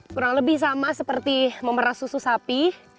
kurang lebih sama seperti memeras susu sapi